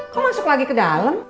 kalau masuk lagi ke dalam